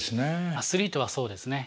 アスリートはそうですね。